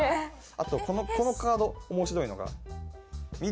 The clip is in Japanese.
あとこのカード面白いのが。